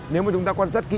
nếu mà chúng ta quan sát kỹ